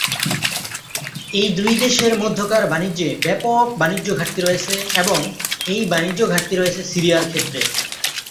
এই দুই দেশের মধ্যকার বাণিজ্যে, ব্যাপক বাণিজ্য ঘাটতি রয়েছে এবং এই বাণিজ্য ঘাটতি রয়েছে সিরিয়ার ক্ষেত্রে।